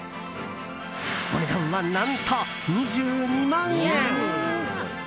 お値段は何と、２２万円。